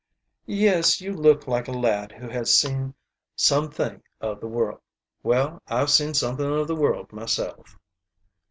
"Yes, you look like a lad who has seen some thing of the world. Well, I've seen something of the world myself."